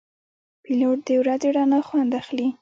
پیلوټ د ورځې رڼا خوند اخلي.